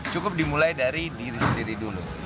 cukup dimulai dari diri sendiri dulu